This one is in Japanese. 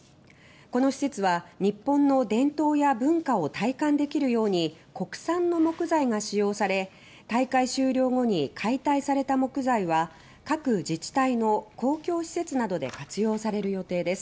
この施設は日本の伝統や文化を体感できるように国産の木材が使用され大会終了後に解体された木材は各自治体の公共施設などに活用される予定です。